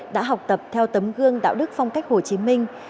đã học tập theo tấm gương đạo đức phong cách hồ chí minh